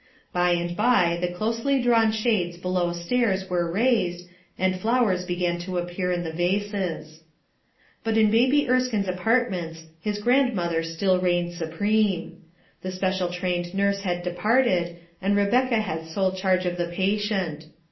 By and by the closely drawn shades Mow stairs were raised, and flowers began to appear in the vases. But in Baby Etskke's apartments \m grand mother still reigned supreme. The special trained nurse kid departed, and Rebecca had sole charge of the patient.